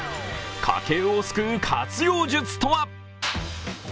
家計を救う活用術とは？